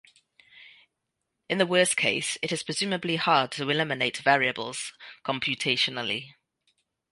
In the worst case it is presumably hard to eliminate variables computationally.